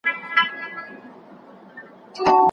د املا د لاري د کلمو ذخیره زیاتېږي.